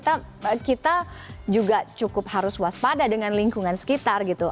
tapi kita juga cukup harus waspada dengan lingkungan sekitar gitu